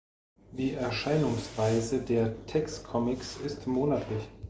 Die Erscheinungsweise der Tex-Comics ist monatlich.